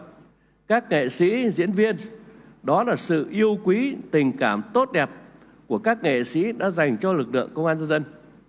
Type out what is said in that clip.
các nghệ sĩ diễn viên đó là sự yêu quý tình cảm tốt đẹp của các nghệ sĩ đã dành cho lực lượng công an nhân dân